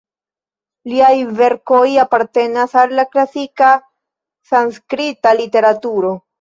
Liaj verkoj apartenas al la klasika sanskrita literaturo.